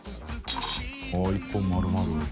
△１本丸々。